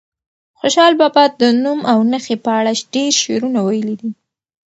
خوشحال بابا د نوم او نښې په اړه ډېر شعرونه ویلي دي.